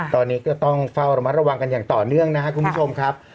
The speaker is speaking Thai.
ตอนนี้ก็ต้องเฝ้าระมัดระวังกันอย่างต่อเนื่องนะครับคุณผู้ชมครับ